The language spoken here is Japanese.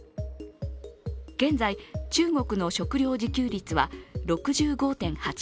現在、中国の食糧自給率は６５．８％。